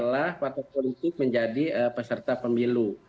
setelah partai politik menjadi peserta pemilu